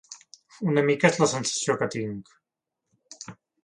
Una mica és la sensació que tinc.